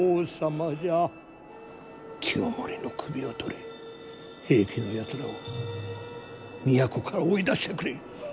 清盛の首を取り平家のやつらを都から追い出してくれ。